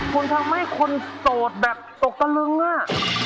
คุณทำให้คนโสดแบบตกตะลึงอ่ะ